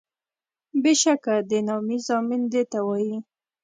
بیشکه د نامي زامن دیته وایي